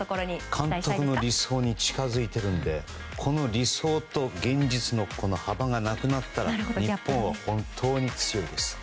監督の理想に近づいているので理想と現実の幅がなくなったら日本は本当に強いです。